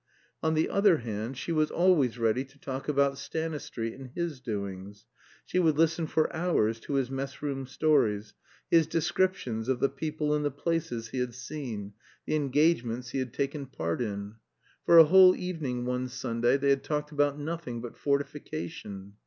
On the other hand, she was always ready to talk about Stanistreet and his doings. She would listen for hours to his mess room stories, his descriptions of the people and the places he had seen, the engagements he had taken part in. For a whole evening one Sunday they had talked about nothing but fortification.